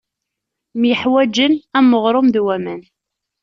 Myeḥwaǧen am uɣṛum d waman.